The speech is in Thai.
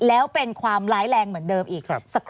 แล้วเป็นความร้ายแรงเหมือนเดิมอีกสักครู่